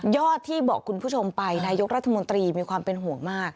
ที่บอกคุณผู้ชมไปนายกรัฐมนตรีมีความเป็นห่วงมาก